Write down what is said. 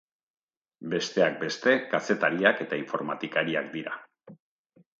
Besteak beste, kazetariak eta informatikariak dira.